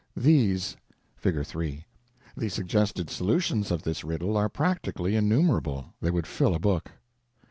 These: (Figure 3) The suggested solutions of this riddle are practically innumerable; they would fill a book.